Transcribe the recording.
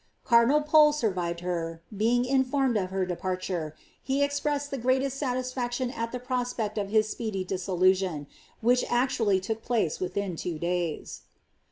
CSardinal Pole survived her; being informed of her departure, he ex vssed the greatest satis&ction at the prospect of his speedy dissolu Hk, which actually took place within two days.